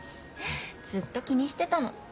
ずっと気にしてたの。